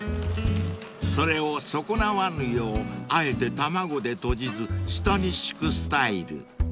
［それを損なわぬようあえて卵でとじず下に敷くスタイル］